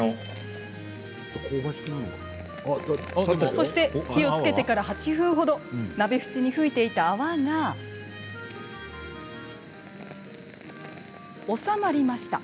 そして、火をつけてから８分ほど鍋縁に噴いていた泡が収まりました。